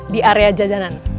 di area jajanan